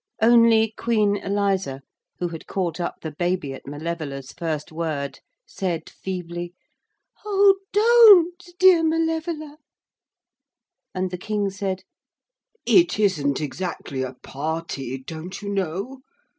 Only Queen Eliza, who had caught up the baby at Malevola's first word, said feebly, 'Oh, don't, dear Malevola.' And the King said, 'It isn't exactly a party, don't you know.